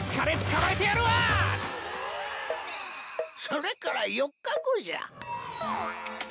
それから４日後じゃ。